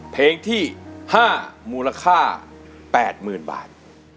เพลงที่ห้ามูลค่าปแปดหมื่นบาท